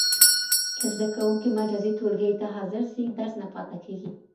که زده کوونکی مجازي ټولګي ته حاضر سي، درس نه پاته کېږي.